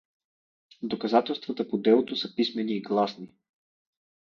Доказателствата по делото са писмени и гласни.